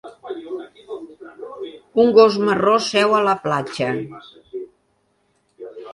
Un gos marró seu a la platja.